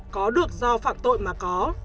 có được do phạm tội mà có